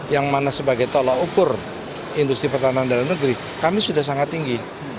yang mana sebagai tolak ukur industri pertahanan dalam negeri kami sudah sangat tinggi